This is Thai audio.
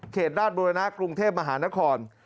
เขตด้านบริณะกรุงเทพมหานคร